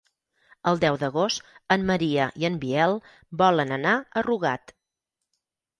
El deu d'agost en Maria i en Biel volen anar a Rugat.